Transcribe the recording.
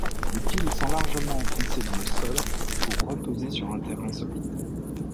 Les piles sont largement enfoncées dans le sol, pour reposer sur un terrain solide.